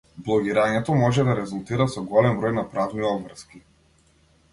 Блогирањето може да резултира со голем број на правни обврски.